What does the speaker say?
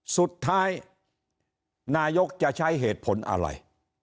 สุดท้ายนายกจะใช้เหตุผลอะไร